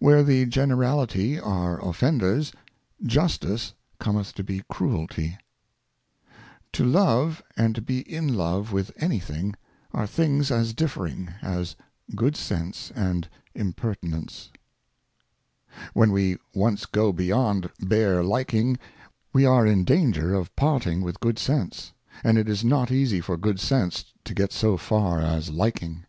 253 Where the GeneraUty are Offenders^ Justice cometh to be Cruelty. TO Love, and to be in Love with any thing, are Things as To Low, j./v . J c) J T i ond he in dittenng, as good oense and Impertinence. ^^^g ^if. When we once go beyond bare liking, we are in danger oiferent. parting with Good Sense ; and it is not easy for Good Sense to get so far as liking.